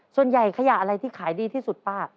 ขยะอะไรที่ขายดีที่สุดป้า